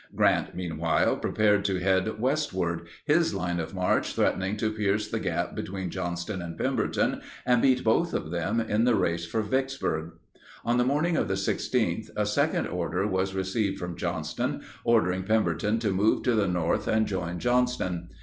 Grant, meanwhile, prepared to head westward, his line of march threatening to pierce the gap between Johnston and Pemberton and beat both of them in the race for Vicksburg. On the morning of the 16th, a second order was received from Johnston ordering Pemberton to move to the north and join Johnston.